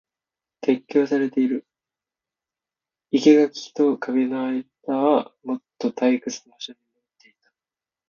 撤去されている。生垣と壁の間はもとの退屈な場所に戻っていた。